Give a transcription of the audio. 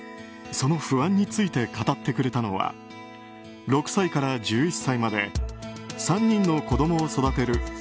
その不安について語ってくれたのは６歳から１１歳まで３人の子供を育てる